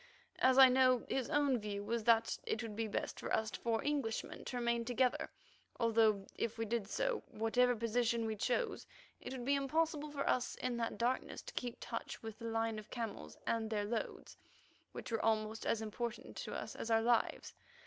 As I know, his own view was that it would be best for us four Englishmen to remain together, although, if we did so, whatever position we chose, it would be impossible for us in that darkness to keep touch with the line of camels and their loads, which were almost as important to us as our lives.